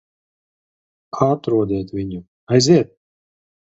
Atrodiet viņu. Aiziet!